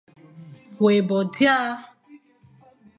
Wé bo dia,